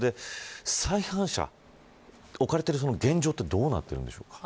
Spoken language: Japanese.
再犯者が置かれている現状ってどうなっているんでしょうか。